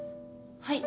はい。